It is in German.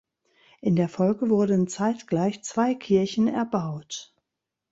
In der Folge wurden zeitgleich zwei Kirchen erbaut.